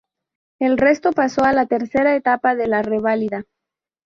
El resto pasó a la Tercera etapa de la reválida.